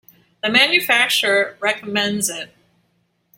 The manufacturer recommends it.